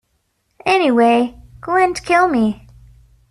Anyway, Gwen'd kill me.